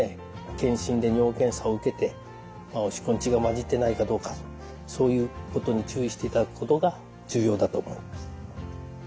健診で尿検査を受けておしっこに血が混じってないかどうかそういうことに注意していただくことが重要だと思います。